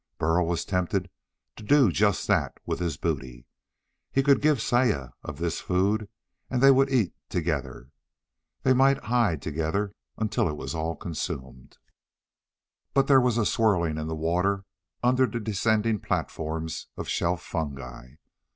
Burl was tempted to do just that with his booty. He could give Saya of this food and they would eat together. They might hide together until it was all consumed. But there was a swirling in the water under the descending platforms of shelf fungi.